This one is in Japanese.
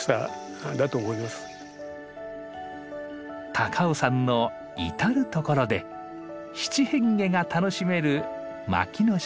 高尾山の至る所で七変化が楽しめる牧野植物です。